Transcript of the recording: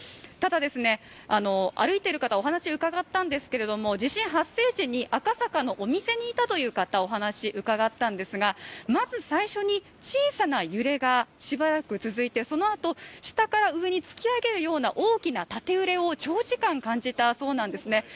ただ、歩いている方にお話を伺ったんですけれども、地震発生時に赤坂のお店にいた方にお話を伺ったんですが、まず最初に小さな揺れがしばらく続いてそのあと下から上に突き上げるような大きな縦揺れを長時間感じたそうなんですね。